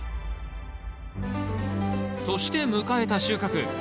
そして迎えた収穫。